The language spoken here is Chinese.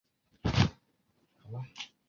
首府普热梅希尔。